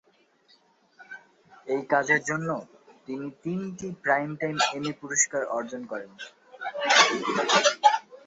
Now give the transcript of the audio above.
এই কাজের জন্য তিনি তিনটি প্রাইমটাইম এমি পুরস্কার অর্জন করেন।